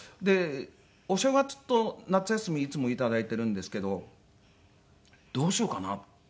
お正月と夏休みいつもいただいてるんですけどどうしようかなって。